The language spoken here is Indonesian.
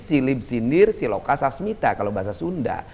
silibsindir silokasasmita kalau bahasa sunda